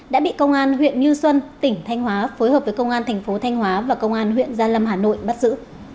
đã bị công an huyện như xuân tỉnh thanh hóa phối hợp với công an thành phố thanh hóa và công an huyện gia lâm hà nội bắt giữ